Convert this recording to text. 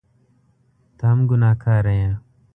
ته هم ګنهکاره یې !